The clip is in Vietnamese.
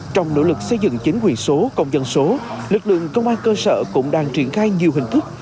trong nỗ lực xây dựng chính quyền số công dân số lực lượng công an cơ sở cũng đang triển khai nhiều hình thức